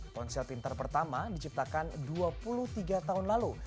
ponsel pintar pertama diciptakan dua puluh tiga tahun lalu